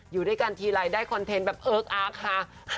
อยู่ด้วยกันทีไรได้คอนเทนต์แบบเอิ๊กอาร์กค่ะ